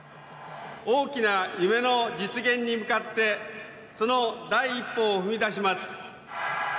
大きな夢の実現に向かってその第一歩を踏み出します